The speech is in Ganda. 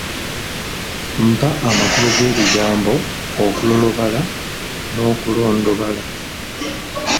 Mpa amakulu g'ebigambo okulolobala n'okulondobala.